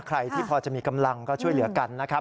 ใครที่พอจะมีกำลังก็ช่วยเหลือกันนะครับ